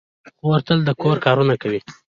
خور تل د کور کارونه کوي.